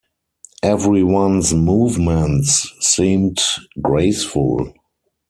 Everyone’s movements seemed graceful.